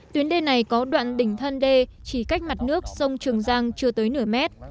tuyến đê này có đoạn đỉnh thân đê chỉ cách mặt nước sông trường giang chưa tới nửa mét